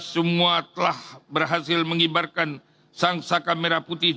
semua telah berhasil mengibarkan sang saka merah putih